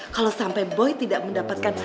kalau sampai boy tidak mendapatkan